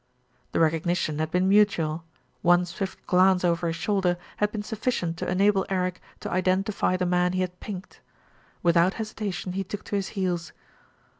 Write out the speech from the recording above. The recognition had been mutual. One swift glance over his shoulder had been sufficient to enable Eric to identify the man he had "pinked." Without hesi tation he took to his heels.